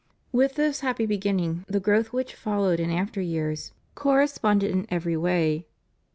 With this happy beginning the growth which followed in after years corresponded in every way.